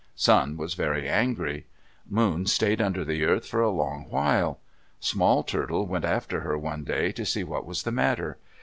Sun was very angry. Moon stayed under the earth for a long while. Small Turtle went after her one day to see what was the matter.